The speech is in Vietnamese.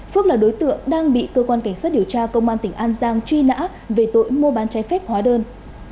phước là đối tượng đang bị cơ quan cảnh sát điều tra công an tỉnh an giang truy nã về tội mua bán trái phép hóa đơn